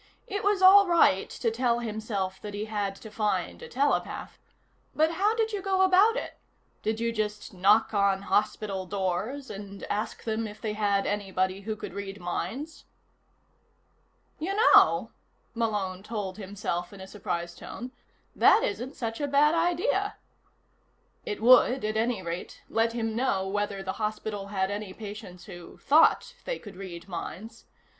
It was all right to tell himself that he had to find a telepath. But how did you go about it? Did you just knock on hospital doors and ask them if they had anybody who could read minds? "You know," Malone told himself in a surprised tone, "that isn't such a bad idea." It would, at any rate, let him know whether the hospital had any patients who thought they could read minds.